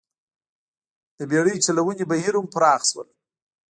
د بېړۍ چلونې بهیر هم پراخ شول.